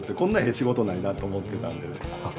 仕事ないなと思ってたんでね。